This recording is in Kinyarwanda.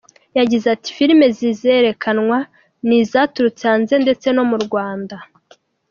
Yagize ati “Filime zizerekanwa ni izaturutse hanze ndetse no mu Rwanda.